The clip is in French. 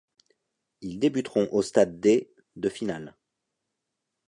Ils débuteront au stade des de finales.